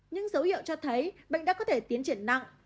những dấu hiệu cho thấy bệnh đã có thể tiến triển nặng